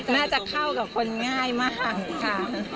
น่าจะเข้ากับคนง่ายมากค่ะ